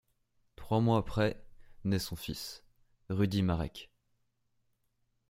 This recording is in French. Trois mois après naît son fils, Rudi Marek.